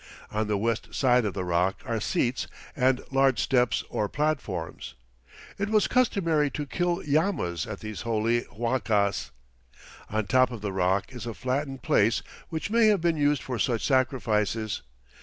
On the west side of the rock are seats and large steps or platforms. It was customary to kill llamas at these holy huacas. On top of the rock is a flattened place which may have been used for such sacrifices.